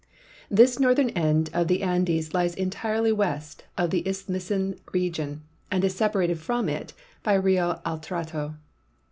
This northern end of the Andes lies entirely west of the Isthmian region and is separated from it by Rio Atrato.